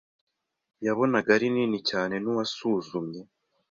yabonaga ari nini cyane nuwasuzumye